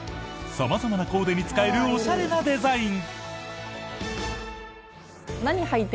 様々なコーデに使えるおしゃれなデザイン。